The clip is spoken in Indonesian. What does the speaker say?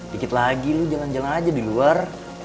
dikit lagi lu jalan jalan aja di luar